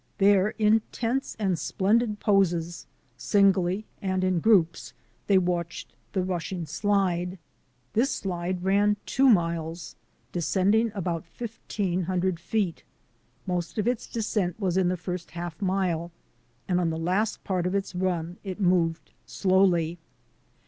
There, in tense and splendid poses, singly and in groups, they watched the rushing slide. This slide ran two miles, descending about fifteen hundred feet. Most of its descent was in the first half mile, and on the last part of its run it moved slowly.